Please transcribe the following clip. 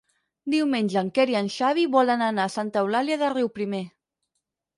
Diumenge en Quer i en Xavi volen anar a Santa Eulàlia de Riuprimer.